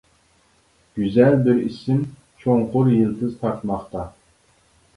گۈزەل بىر ئىسىم چوڭقۇر يىلتىز تارتماقتا.